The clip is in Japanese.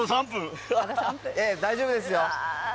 大丈夫ですよ。